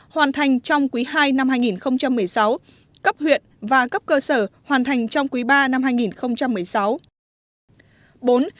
hoàn thành trong quý ii năm hai nghìn một mươi sáu cấp huyện và cấp cơ sở hoàn thành trong quý ba năm hai nghìn một mươi sáu